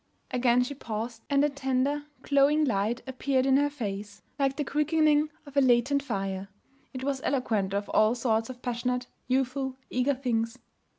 Again she paused, and a tender, glowing light appeared in her face, like the quickening of a latent fire. It was eloquent of all sorts of passionate, youthful, eager things.